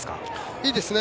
いいですね。